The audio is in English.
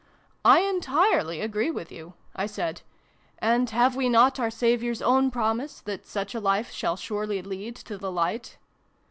" I entirely agree with you," I said. " And have we not our Saviour's own promise that such a life shall surely lead to the light